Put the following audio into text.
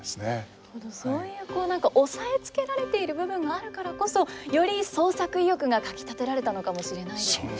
本当にそういうこう何か抑えつけられている部分があるからこそより創作意欲がかきたてられたのかもしれないですね。